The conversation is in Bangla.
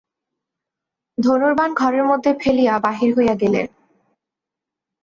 ধনুর্বাণ ঘরের মধ্যে ফেলিয়া বাহির হইয়া গেলেন।